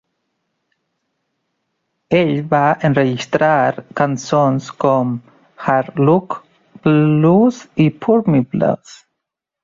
Ell va enregistrar cançons com "Hard Luck Blues" i "Poor Me Blues".